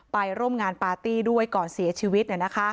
ไปร่วมงานปาร์ตี้ด้วยก่อนเสียชีวิต